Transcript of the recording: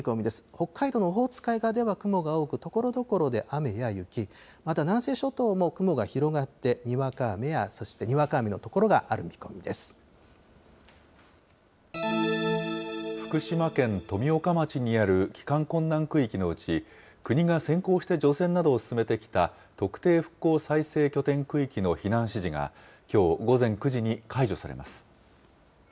北海道のオホーツク海側では雲が多く、ところどころで雨や雪、また南西諸島も雲が広がって、にわか雨や、そして、にわか雨の所が福島県富岡町にある帰還困難区域のうち、国が先行して除染などを進めてきた、特定復興再生拠点区域の避難指示が、きょう午前９時に解除されます。